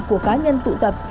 của cá nhân tụ tập